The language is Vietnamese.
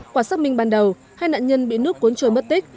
quả xác minh ban đầu hai nạn nhân bị nước cuốn trôi mất tích